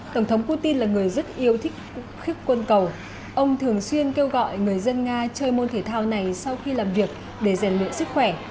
tổng thống putin là người rất yêu thích quân cầu ông thường xuyên kêu gọi người dân nga chơi môn thể thao này sau khi làm việc để rèn luyện sức khỏe